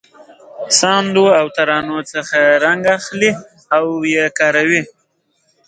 ساندو او ترانو څخه رنګ اخلي او یې کاروي.